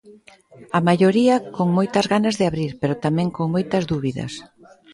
A maioría con moitas ganas de abrir, pero tamén con moitas dúbidas.